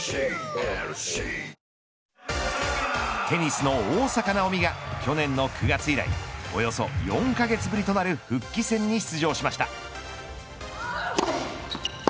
テニスの大坂なおみが去年の９月以来およそ４カ月ぶりとなる復帰戦に出場しました。